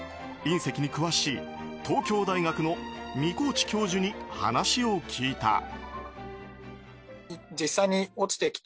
隕石に詳しい東京大学の三河内教授に話を聞いた。